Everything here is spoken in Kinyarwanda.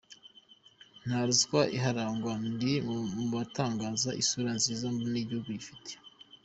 Nta ruswa iharangwa…, ndi mu batangaza isura nziza mbona igihugu gifite.